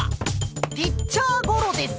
ピッチャーゴロです。